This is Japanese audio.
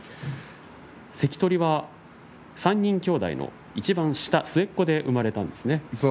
関取は３人きょうだいのいちばん下末っ子で生まれたんですね。